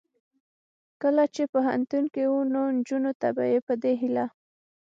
کله چې پوهنتون کې و نو نجونو ته به یې په دې هیله